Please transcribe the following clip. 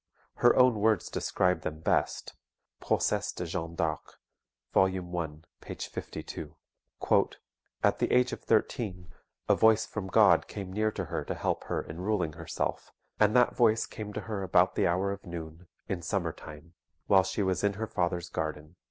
Her own words describe them best: [Proces de Jeanne d'Arc, vol. i. p. 52.] "At the age of thirteen, a voice from God came near to her to help her in ruling herself, and that voice came to her about the hour of noon, in summer time, while she was in her father's garden.